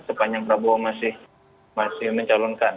sepanjang prabowo masih mencalonkan